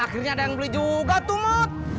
akhirnya ada yang beli juga tumut